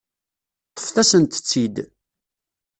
Ṭṭfet-asent-tt-id.